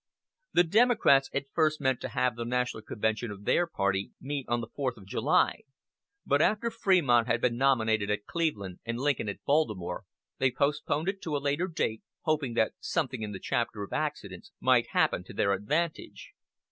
The Democrats at first meant to have the national convention of their party meet on the fourth of July; but after Fremont had been nominated at Cleveland and Lincoln at Baltimore, they postponed it to a later date, hoping that something in the chapter of accidents might happen to their advantage.